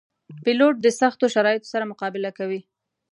پیلوټ د سختو شرایطو سره مقابله کوي.